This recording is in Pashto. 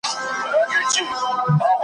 جوار په ګرمو سیمو کې کرل کېږي.